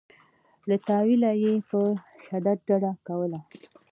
له تأویله یې په شدت ډډه کوله.